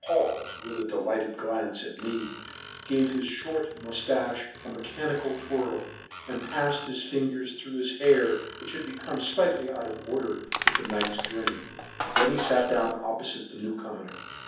Paul, with a delighted glance at me, gave his short mustache a mechanical twirl, and passed his fingers through his, hair, which had become slightly out of order with the night's journey. Then he sat down opposite the newcomer.